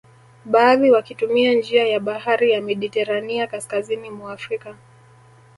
Baadhi wakitumia njia ya bahari ya Mediterania kaskazini mwa Afrika